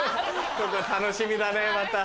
楽しみだねまた。